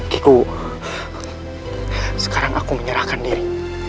kiku sekarang aku menyerahkan diri